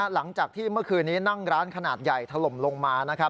หลังจากที่เมื่อคืนนี้นั่งร้านขนาดใหญ่ถล่มลงมานะครับ